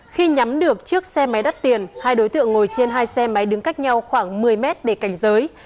khi nhắm được chiếc xe máy đắt tiền hai đối tượng ngồi trên hai xe máy đứng cách nhau khoảng một mươi mét để cảnh giới